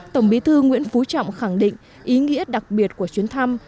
tổng bí thư nguyễn phú trọng khẳng định ý nghĩa đặc biệt của chuyến thăm